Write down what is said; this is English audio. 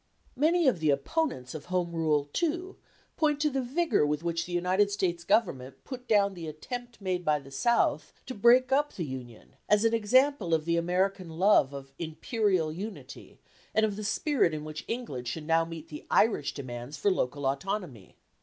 Many of the opponents of Home Rule, too, point to the vigour with which the United States Government put down the attempt made by the South to break up the Union as an example of the American love of "imperial unity," and of the spirit in which England should now meet the Irish demands for local autonomy.